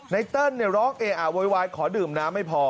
เติ้ลร้องเออะโวยวายขอดื่มน้ำไม่พอ